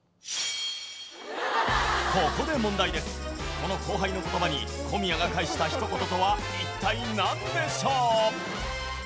この後輩の言葉に小宮が返したひと言とは一体何でしょう？